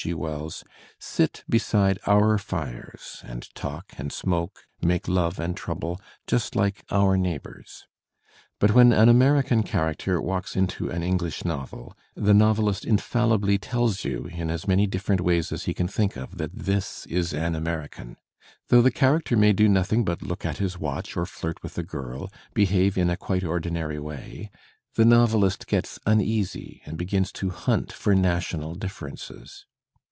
G. Wells, sit beside our fires and talk and smoke, make love and trouble, just like our neighbours. But when an American character walks into an English novel, the novelist infallibly tells you Digitized by Google S«6 THE SPIRIT OP AMERICAN LITERATURE in as many different ways as he can think of that this is an American. Though the character may do nothing but look at his watch or flirt with a girl, behave in a quite ordinary way, the novelist gets unea^ and begins to hunt for national differences.